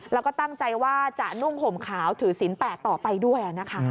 แล้วก็ตั้งใจว่าจะนุ่งผมขาวถือศิลป์แปลกต่อไปด้วย